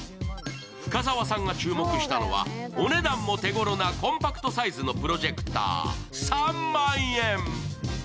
深澤さんが注目したのは、お値段も手ごろなコンパクトサイズのプロジェクター、３万円。